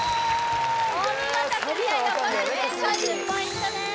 お見事クリア横取り成功１０ポイントです